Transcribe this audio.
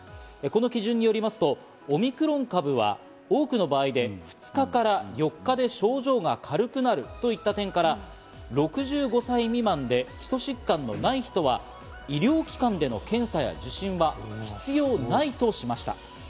この基準によりますとオミクロン株は多くの場合で２日から４日で症状が軽くなるといった点から、６５歳未満で基礎疾患のない人は医療機関での検査や受診は必要ないとしました。